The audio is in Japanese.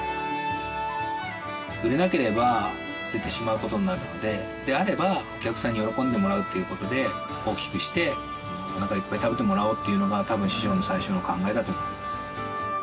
売れなければ捨ててしまう事になるのでであればお客さんに喜んでもらうっていう事で大きくしておなかいっぱい食べてもらおうっていうのが多分師匠の最初の考えだと思います。